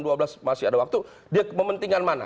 dia kepentingan mana